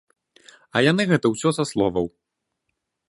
А яны гэта ўсё са словаў.